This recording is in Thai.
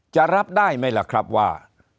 จะรับได้ไหมล่ะครับว่า